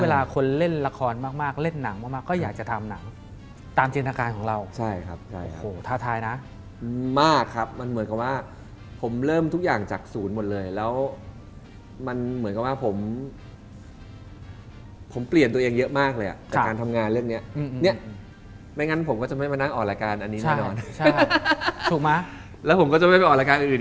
แล้วจำได้ว่ามีอยู่งานพี่ฮามาก็คือ